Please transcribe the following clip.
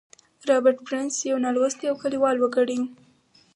رابرټ برنس یو نالوستی او کلیوال وګړی و